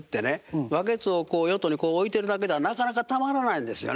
バケツをこうヨットに置いてるだけではなかなかたまらないんですよね。